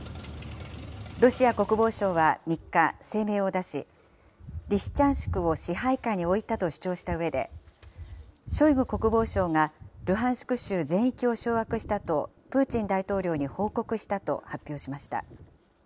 ロシア国防省は３日、声明を出し、リシチャンシクを支配下に置いたと主張したうえで、ショイグ国防相が、ルハンシク州全域を掌握したと、プーチン大統領に報告したと発表しました。